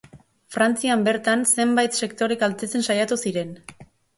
Frantzian bertan zenbait sektore kaltetzen saiatu ziren.